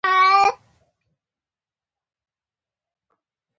منډه د وزن کمولو کې مرسته کوي